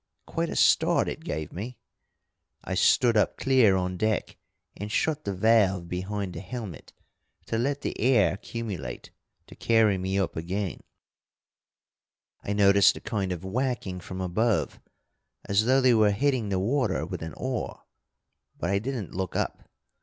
Quite a start it gave me. I stood up clear on deck and shut the valve behind the helmet to let the air accumulate to carry me up again I noticed a kind of whacking from above, as though they were hitting the water with an oar, but I didn't look up.